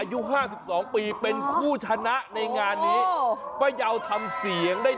อายุห้าสิบสองปีเป็นผู้ชนะในงานนี้ป้ายาวทำเสียงได้